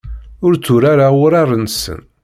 Ur tturareɣ urar-nsen.